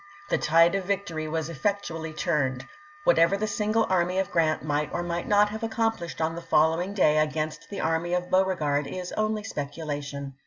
The tide of victory was effectually turned. Whatever the single army of Grrant might or might not have accomplished on the following day against the army of Beauregard is only speculation.